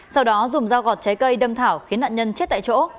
sau đó dùng dao gọt trái cây đâm thảo khiến nạn nhân chết tại chỗ